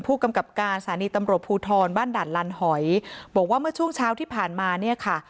ผู้กำกับการสถานีตำรวจภูทรบ้านด่านลันหอยบอกว่าเมื่อช่วงเช้าที่ผ่านมาเนี่ยค่ะ